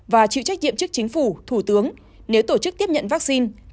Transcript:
và chịu trách nhiệm trước chính phủ thủ tướng nếu tổ chức tiếp nhận vaccine